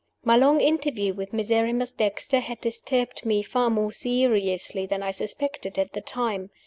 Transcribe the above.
My long interview with Miserrimus Dexter had disturbed me far more seriously than I suspected at the time.